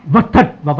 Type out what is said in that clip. vật thật và vật thay thế